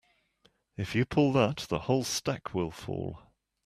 If you pull that the whole stack will fall.